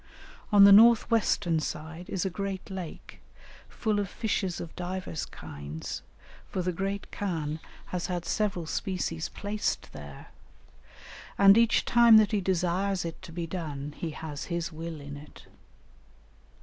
On the north western side is a great lake, full of fishes of divers kinds, for the great khan has had several species placed there, and each time that he desires it to be done, he has his will in it.